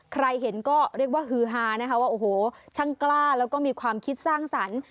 ใครเห็นก็เรียกว่าฮือฮานะคะว่าโอ้โหช่างกล้าแล้วก็มีความคิดสร้างสรรค์